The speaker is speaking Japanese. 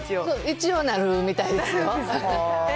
そう、一応なるみたいですよ。